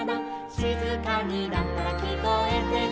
「しずかになったらきこえてくるよ」